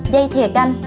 dây thiệt canh